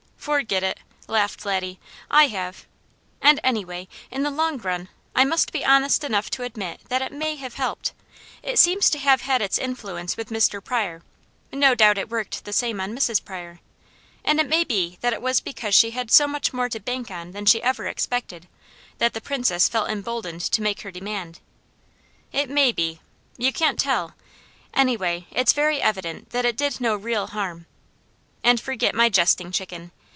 "Forget it!" laughed Laddie. "I have. And anyway, in the long run, I must be honest enough to admit that it may have helped. It seems to have had its influence with Mr. Pryor, no doubt it worked the same on Mrs. Pryor, and it may be that it was because she had so much more to bank on than she ever expected, that the Princess felt emboldened to make her demand. It may be, you can't tell! Anyway, it's very evident that it did no real harm. And forget my jesting, Chicken.